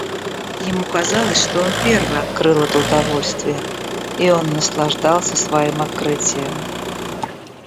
Ему казалось, что он первый открыл это удовольствие, и он наслаждался своим открытием.